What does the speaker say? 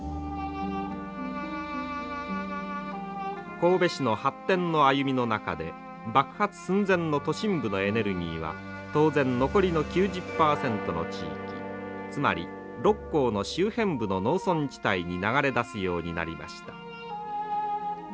神戸市の発展の歩みの中で爆発寸前の都心部のエネルギーは当然残りの９０％の地域つまり六甲の周辺部の農村地帯に流れ出すようになりました。